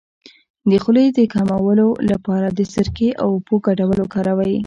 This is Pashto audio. د خولې د کمولو لپاره د سرکې او اوبو ګډول وکاروئ